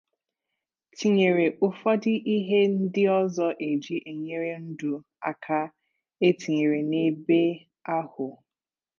tinyéré ụfọdụ ihe ndị ọzọ e ji enyere ndụ aka e tinyere n'ebe ahụ.